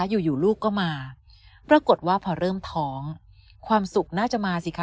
อยู่ลูกก็มาปรากฏว่าพอเริ่มท้องความสุขน่าจะมาสิคะ